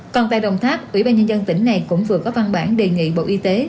còn tại đồng tháp ủy ban nhân dân tỉnh này cũng vừa có văn bản đề nghị bộ y tế